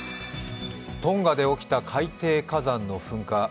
トンガで起きた海底火山の噴火。